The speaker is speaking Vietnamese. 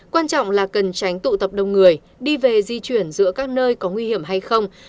quan trọng là cần tránh tụ tập đông người đi về di chuyển giữa các nơi có nguy hiểm hay không